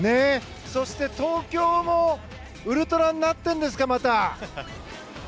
そして、東京もまたウルトラになってるんですか？